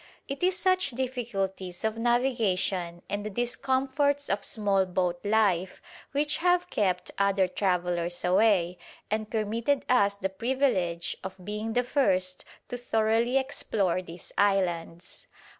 It is such difficulties of navigation and the discomforts of small boat life which have kept other travellers away and permitted us the privilege of being the first to thoroughly explore these islands.